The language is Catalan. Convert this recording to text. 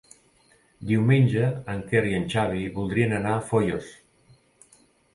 Diumenge en Quer i en Xavi voldrien anar a Foios.